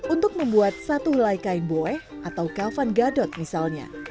untuk membuat satu helai kain boeh atau kafan gadot misalnya